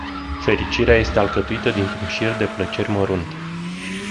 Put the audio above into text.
Fericirea este alcătuită dintr-un șir de plăceri mărunte.